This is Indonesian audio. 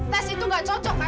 tes itu gak cocok kan